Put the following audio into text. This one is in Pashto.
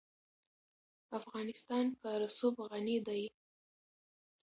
افغانستان په رسوب غني دی.